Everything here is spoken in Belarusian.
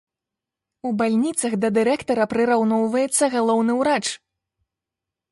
У бальніцах да дырэктара прыраўноўваецца галоўны ўрач.